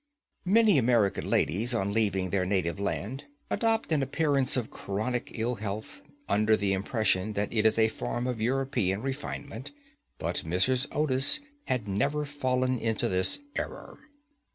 Many American ladies on leaving their native land adopt an appearance of chronic ill health, under the impression that it is a form of European refinement, but Mrs. Otis had never fallen into this error.